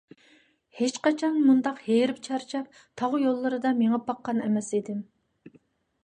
ھېچقاچان مۇنداق ھېرىپ - چارچاپ، تاغ يوللىرىدا مېڭىپ باققان ئەمەس ئىدىم!